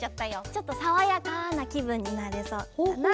ちょっとさわやかなきぶんになれそうかなって。